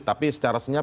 tapi secara senyap